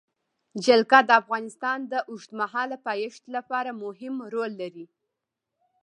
جلګه د افغانستان د اوږدمهاله پایښت لپاره مهم رول لري.